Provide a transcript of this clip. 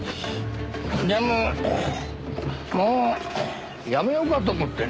でももうやめようかと思ってね。